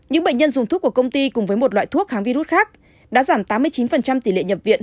những bệnh nhân dùng thuốc của công ty cùng với một loại thuốc kháng virus khác đã giảm tám mươi chín tỷ lệ nhập viện